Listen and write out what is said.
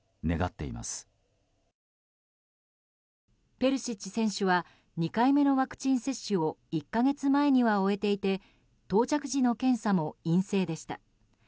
ペルシッチ選手は２回目のワクチン接種を１か月前には終えていて到着時の検査も陰性でした。